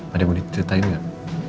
ada yang mau ditetah untuk enggak